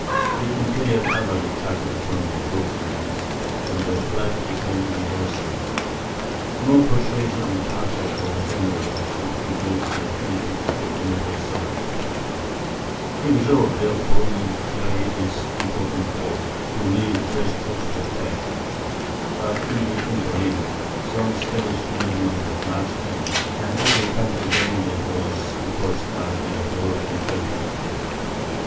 The imperial cavalry charged upon their broken ranks, and the flight became universal. No persuasion on the part of their general could induce the fugitives to renew the assault. He resolved, therefore, in order to carry this important post, to lead fresh troops to the attack. But in the interim, some Spanish regiments had marched in, and every attempt to gain it was repulsed by their heroic intrepidity.